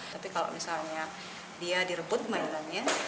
tapi kalau misalnya dia direbut mainannya